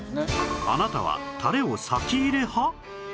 あなたはタレを先入れ派？